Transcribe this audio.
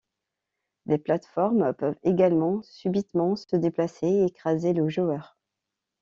Des plates-formes peuvent également subitement se déplacer et écraser le joueur.